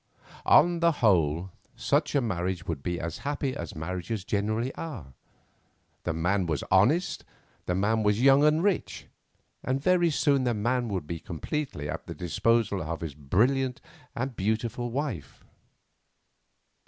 On the whole, such a marriage would be as happy as marriages generally are. The man was honest, the man was young and rich, and very soon the man would be completely at the disposal of his brilliant and beautiful wife.